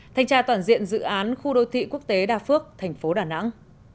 thanh tra toàn diện dự án khu đô thị quốc tế đa phước thành phố đà nẵng